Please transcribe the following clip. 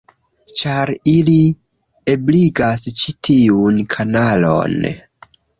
Ĉar ili ebligas ĉi tiun kanalon.